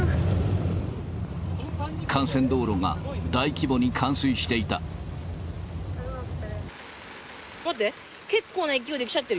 幹線道路が大規模に冠水して待って！